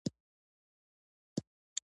غوښتل یې دغه دوه ښارونه فتح کړي خو ناکام شو.